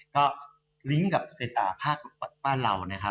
ก็ลิงก์กับเศรษฐภาคป้าเหล่านะครับ